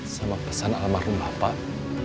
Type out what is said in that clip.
sama pesan alam marhum bapak